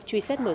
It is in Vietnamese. truy xét mở rộng